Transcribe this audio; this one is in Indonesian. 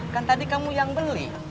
kan tadi kamu yang beli